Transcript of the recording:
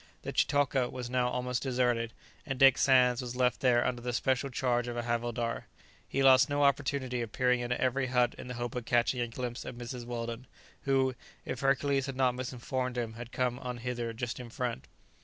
The chitoka was now almost deserted, and Dick Sands was left there under the special charge of a havildar: he lost no opportunity of peering into every hut in the hope of catching a glimpse of Mrs. Weldon, who, if Hercules had not misinformed him, had come on hither just in front.